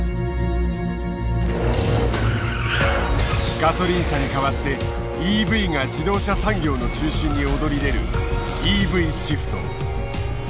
ガソリン車に代わってＥＶが自動車産業の中心に躍り出る「ＥＶシフト」。